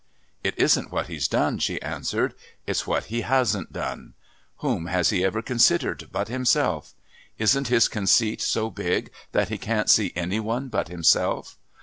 "It isn't what he's done," she answered. "It's what he hasn't done. Whom has he ever considered but himself? Isn't his conceit so big that he can't see any one but himself.